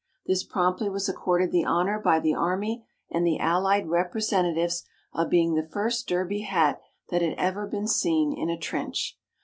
This promptly was accorded the honor by the army and the Allied representatives of being the first derby hat that had ever been seen in a trench.